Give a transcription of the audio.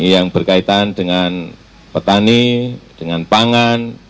yang berkaitan dengan petani dengan pangan